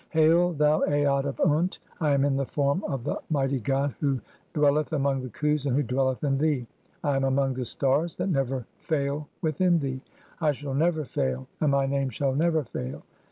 Hail, thou Aat of Unt, I am in the form of the mighty "god who dwelleth among the Khus and who dwelleth in thee. "(5) I am among the stars that never fail within thee ; I shall "never fail, and my name shall never fail.